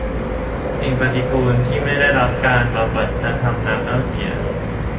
สิ่งปฏิกูลที่ไม่ได้รับการบำบัดจะทำน้ำเน่าเสีย